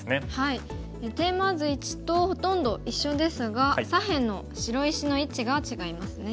テーマ図１とほとんど一緒ですが左辺の白石の位置が違いますね。